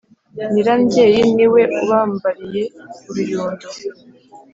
Nyirambyeyi ni we ubambariye uruyundo.